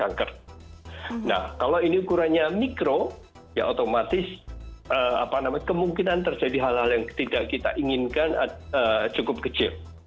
nah kalau ini ukurannya mikro ya otomatis kemungkinan terjadi hal hal yang tidak kita inginkan cukup kecil